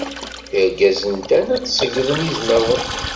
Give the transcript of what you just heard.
Irgazen ddan ad d-ṣeyyden izmawen.